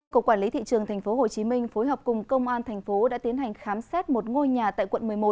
cộng quản lý thị trường tp hcm phối hợp cùng công an tp hcm đã tiến hành khám xét một ngôi nhà tại quận một mươi một